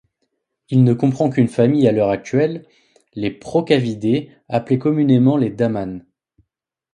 Il ne comprend qu'une famille à l'heure actuelle, les procaviidés, appelé communément les damans.